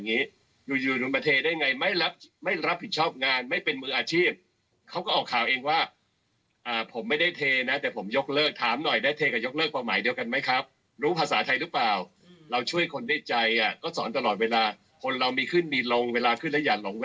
นี่พูดความจริงกล้ามาสาบานไหมมาสาบานต่อหน้าพระพระพระพระพระพระแก้วเลย